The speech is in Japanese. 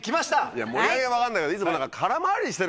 盛り上げは分かんないけどいつも空回りしてる感じが。